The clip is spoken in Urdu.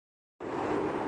انٹیگوا اور باربودا